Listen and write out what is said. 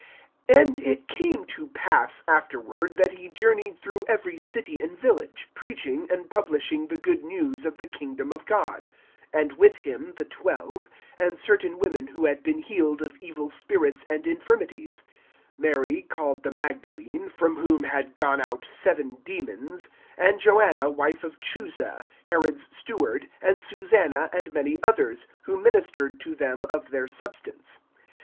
AND it came to pass afterward, that he journeyed through every city and village, preaching, and publishing the good news of the kingdom of God; and with him the twelve, (2)and certain women who had been healed of evil spirits and infirmities, Mary called the Magdalene, from whom had gone out seven demons, (3)and Joanna wife of Chuza, Herod's steward, and Susanna, and many others, who ministered to them of their substance.